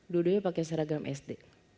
dua duanya pakai seragam sd